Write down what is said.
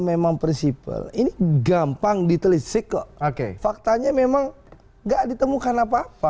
memang prinsip ini gampang ditelitik kok oke faktanya memang nggak ditemukan apa apa